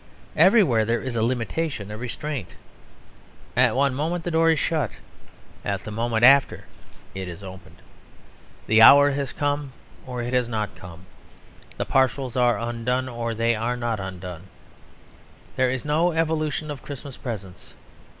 Everywhere there is a limitation, a restraint; at one moment the door is shut, at the moment after it is opened. The hour has come or it has not come; the parcels are undone or they are not undone; there is no evolution of Christmas presents.